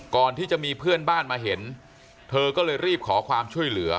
ก่อนที่จะมีเพื่อนบ้านมาเห็นเธอก็เลยรีบขอความช่วยเหลือ